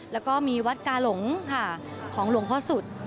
แล้วก็มีวัดกาหลงค่ะของหลวงพ่อสุด